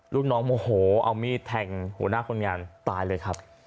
ลูกน้องโมโหเอามีดแทงหัวหน้าคนงานตายเลยครับ